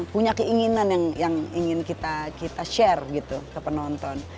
punya keinginan yang ingin kita share gitu ke penonton